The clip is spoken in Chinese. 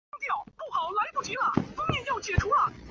保护证人组在行动策略上均受到世界多国的高度评价。